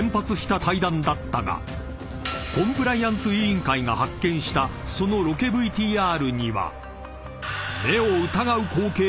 ［コンプライアンス委員会が発見したそのロケＶＴＲには］